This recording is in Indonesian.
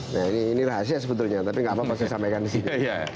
nah ini rahasia sebetulnya tapi gak apa apa saya sampaikan disini